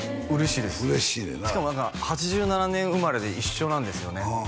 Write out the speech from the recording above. しかも何か８７年生まれで一緒なんですよねは